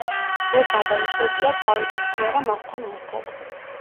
ვერ გადაუწყვეტია წავიდეს თუ არა მასთან ერთად.